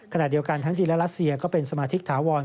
ขณะเดียวกันทั้งจีนและรัสเซียก็เป็นสมาชิกถาวร